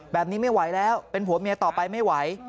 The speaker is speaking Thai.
ไม่ไหวแล้วเป็นผัวเมียต่อไปไม่ไหว